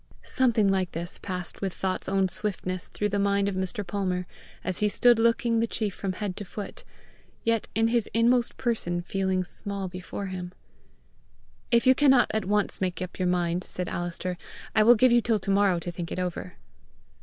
Something like this passed with thought's own swiftness through the mind of Mr. Palmer, as he stood looking the chief from head to foot, yet in his inmost person feeling small before him. "If you cannot at once make up your mind," said Alister, "I will give you till to morrow to think it over."